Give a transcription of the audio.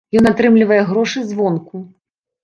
Ён атрымлівае грошы звонку!